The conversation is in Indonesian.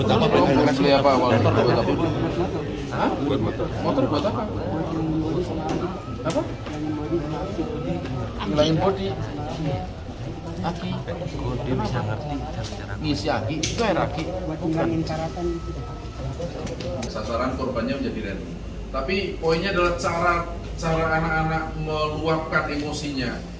tapi poinnya adalah cara anak anak meluapkan emosinya